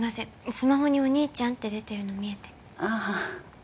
スマホに「お兄ちゃん」って出てるの見えてああ